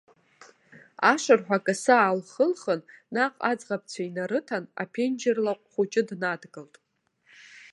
Ашырҳәа акасы аалхылхын, наҟ аӡӷабцәа инарыҭан, аԥенџьыр лаҟә хәыҷы днадгылт.